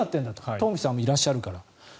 東輝さんもいらっしゃるから。